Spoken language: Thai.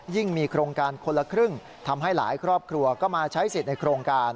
มีโครงการคนละครึ่งทำให้หลายครอบครัวก็มาใช้สิทธิ์ในโครงการ